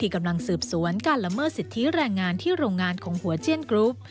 กำลังสืบสวนการละเมิดสิทธิแรงงานที่โรงงานของหัวเจียนกรุ๊ป